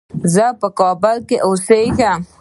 زه په کابل کې اوسېږم.